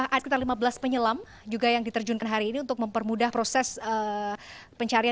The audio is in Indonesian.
ada sekitar lima belas penyelam juga yang diterjunkan hari ini untuk mempermudah proses pencarian